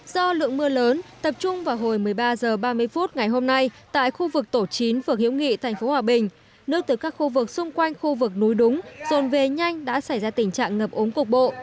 do lượng mưa lớn tập trung vào hồi một mươi ba h ba mươi phút ngày hôm nay tại khu vực tổ chín phường hiếu nghị tp hòa bình nước từ các khu vực xung quanh khu vực núi đúng rồn về nhanh đã xảy ra tình trạng ngập ống cục bộ